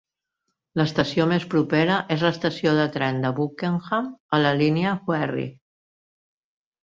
L'estació més propera és l'estació de tren de Buckenham, a la línia Wherry.